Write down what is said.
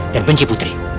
dan benci putri